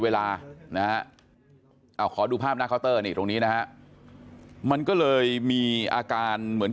เวลานะฮะขอดูภาพหน้าเคานเตอร์นี่ตรงนี้นะฮะมันก็เลยมีอาการเหมือน